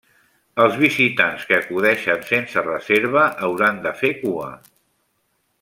Els visitants que acudeixen sense reserva hauran de fer cua.